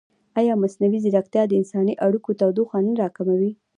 ایا مصنوعي ځیرکتیا د انساني اړیکو تودوخه نه راکموي؟